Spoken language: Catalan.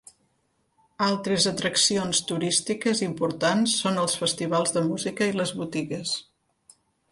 Altres atraccions turístiques importants són els festivals de música i les botigues.